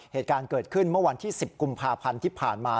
เหตุการณ์เกิดขึ้นเมื่อวันที่๑๐กุมภาพันธ์ที่ผ่านมา